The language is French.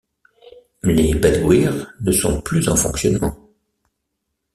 Les badguirs ne sont plus en fonctionnement.